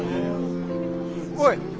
おい。